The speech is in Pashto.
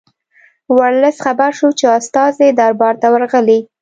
ورلسټ خبر شو چې استازي دربار ته ورغلي.